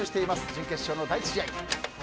準決勝の第１試合。